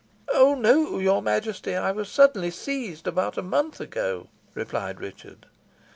"Oh! no, your Majesty, I was suddenly seized, about a month ago," replied Richard.